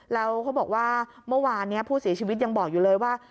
แล้วเขาบอกว่าเมื่อวานนี้ผู้เสียชีวิตยังบอกอยู่เลยว่า